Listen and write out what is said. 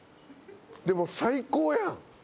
でも最高やん？